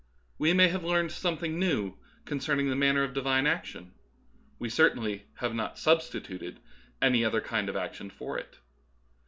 We may have learned something new concerning the manner of Divine action ; we certainly have not " substituted " any other kind of action for it.